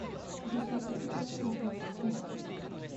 私はポピュラー音楽を聞きたい。